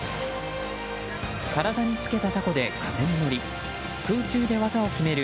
体につけたたこで風に乗り空中で技を決める